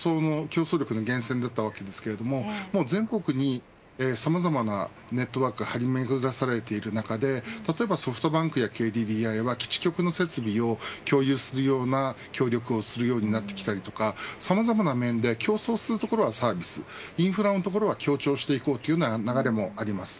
これまでは携帯のインフラそのものが競争力の源泉だったわけですが全国にさまざまなネットワークを張り巡らされている中でソフトバンクやＫＤＤＩは基地局の設備を共有するような協力をするようになってきたりとかさまざまな面で協力するところはサービスインフラのところは協調していく流れもあります。